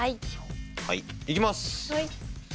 はいいきます！